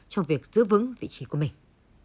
trong việc giữ vững vị trí của mình